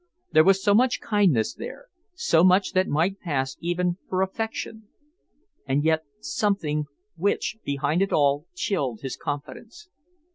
There was so much kindness there, so much that might pass, even, for affection, and yet something which, behind it all, chilled his confidence.